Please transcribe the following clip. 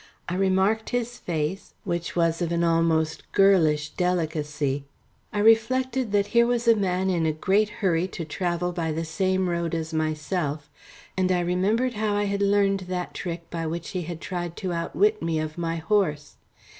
I remarked his face, which was of an almost girlish delicacy. I reflected that here was a man in a great hurry to travel by the same road as myself, and I remembered how I had learned that trick by which he had tried to outwit me of my horse.